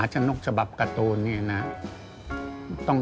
จิตใจอ่อนท้ออ่าท้อน